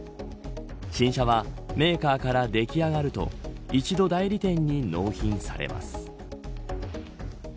新車はメーカーから出来上がると一度、代理店に納品されます。